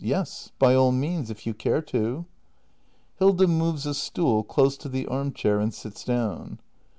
Yes, by all means, if you care to. [Hilda moves a stool close to the arm chair and sits down.